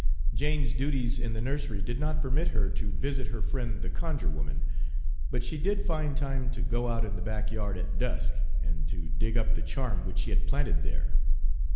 Jane's duties in the nursery did not permit her to visit her friend the conjure woman; but she did find time to go out in the back yard at dusk, and to dig up the charm which she had planted there.